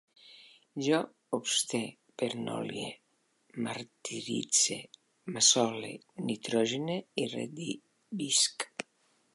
Jo obste, pernolie, martiritze, maçole, nitrogene, redhibisc